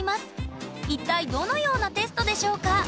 一体どのようなテストでしょうか？